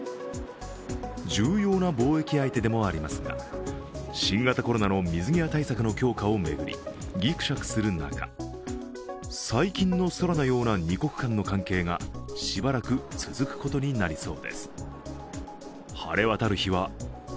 重要な貿易相手でもありますが、新型コロナの水際対策の強化を巡りぎくしゃくする中、最近の空のような二国間の関係が、しばらく続くことになりそうです。